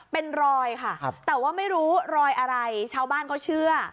เป็นรอยค่ะแต่ว่าไม่รู้รอยอะไรชาวบ้านเขาเชื่อ